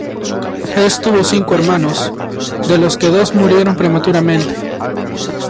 Hesse tuvo cinco hermanos, de los que dos murieron prematuramente.